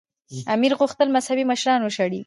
امیر غوښتل مذهبي مشران وشړي.